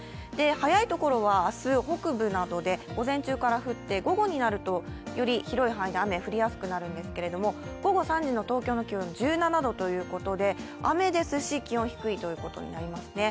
早いところは明日北部などで午前から降って、午後になるとより広い範囲で雨が降りやすくなるんですけれども、午後３時の東京の気温１７度ということで、雨ですし、気温が低いということになりますね。